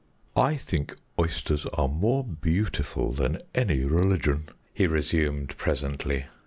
"I think oysters are more beautiful than any religion," he resumed presently.